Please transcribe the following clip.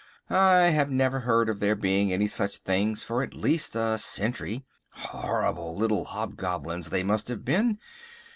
I have never heard of there being any such things for at least a century. Horrible little hobgoblins they must have been!